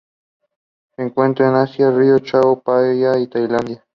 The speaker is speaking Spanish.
Se encuentran en Asia: río Chao Phraya en Tailandia.